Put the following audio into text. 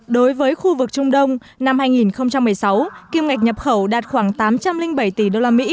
đối với khu vực trung đông năm hai nghìn một mươi sáu kim ngạch nhập khẩu đạt khoảng tám trăm linh bảy tỷ usd